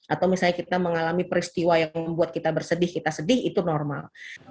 atau misalnya kita mengalami peristiwa yang membuat kita bersedih kita sedih itu normal